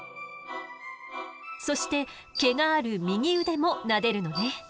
そして毛がある右腕もなでるのね。